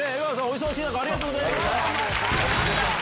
お忙しい中ありがとうございました。